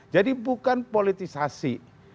jadi bukan politisasi